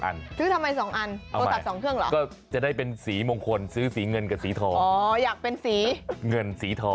แล้วถามว่าคอมเม้นต์ขึ้นตรงไหน